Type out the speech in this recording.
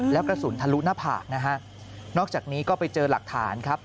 แล้วกระสุนทะลุหน้าผากนะฮะนอกจากนี้ก็ไปเจอหลักฐานครับ